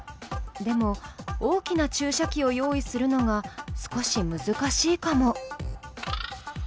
でも大きな注射器を用意するのが少し難しいかも。